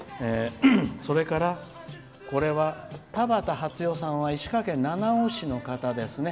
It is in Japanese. それから、たばたはつよさんは石川県七尾市の方ですね。